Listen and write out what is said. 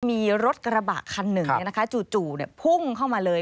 มีรถกระบะคันหนึ่งจู่พุ่งเข้ามาเลย